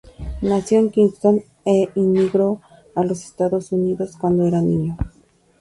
Nació en Kingston e inmigró a los Estados Unidos, cuando era niño.